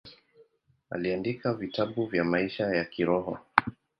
Aliandika vitabu vya maisha ya kiroho.